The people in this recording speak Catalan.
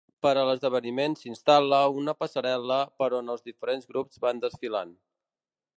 Per a l'esdeveniment s'instal·la una passarel·la per on els diferents grups van desfilant.